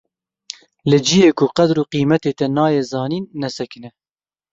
Li ciyê ku qedir û qîmetê te nayê zanîn, nesekine.